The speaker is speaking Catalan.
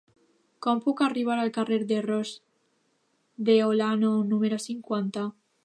Com puc arribar al carrer de Ros de Olano número cinquanta?